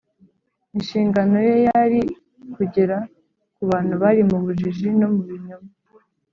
inshingano ye yari iyo kugera ku bantu bari mu bujiji no mu binyoma